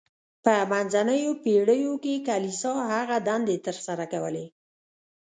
په منځنیو پیړیو کې کلیسا هغه دندې تر سره کولې.